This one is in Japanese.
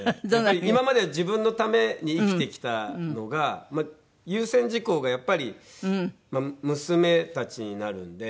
今までは自分のために生きてきたのが優先事項がやっぱり娘たちになるので。